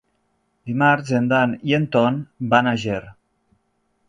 Dimarts en Dan i en Ton van a Ger.